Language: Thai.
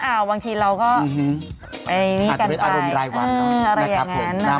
อ่าวบางทีเราก็ไปอย่างนี้กันไปอะไรอย่างนั้นนะครับผม